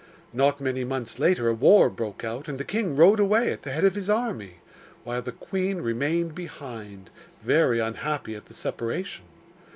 Not many months later a war broke out, and the king rode away at the head of his army, while the queen remained behind, very unhappy at the separation.